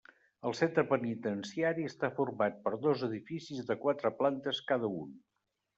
El centre penitenciari està format per dos edificis de quatre plantes cada un.